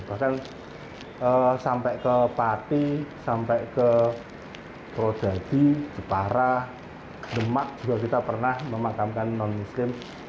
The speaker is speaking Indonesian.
bahkan sampai ke pati sampai ke projadi jepara demak juga kita pernah memakamkan non muslim